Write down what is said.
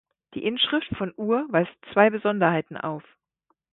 Die Inschrift von Ur weist zwei Besonderheiten auf.